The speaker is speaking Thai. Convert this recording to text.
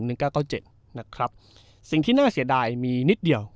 เก้าเก้าเจ็ดนะครับสิ่งที่น่าเสียดายมีนิดเดียว